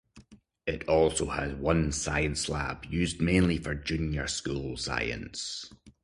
It also has one science lab, used mainly for Junior School Science.